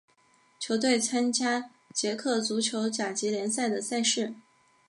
球队参加捷克足球甲级联赛的赛事。